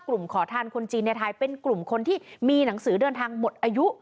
ขอทานคนจีนในไทยเป็นกลุ่มคนที่มีหนังสือเดินทางหมดอายุ